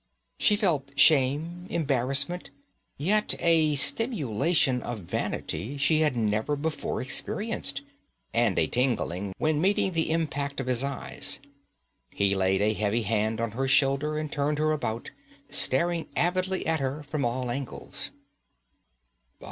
She felt shame, embarrassment, yet a stimulation of vanity she had never before experienced, and a tingling when meeting the impact of his eyes. He laid a heavy hand on her shoulder and turned her about, staring avidly at her from all angles.